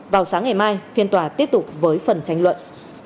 vào sáng ngày mai phiên tòa tiếp tục với phần tranh luận